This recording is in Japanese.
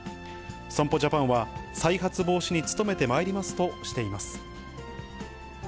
損保ジャパンは再発防止に努めてまいりますとしています。